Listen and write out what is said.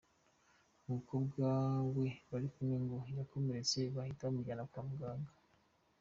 Umukobwa we bari kumwe ngo yakomeretse bahita bamujyana kwa muganga.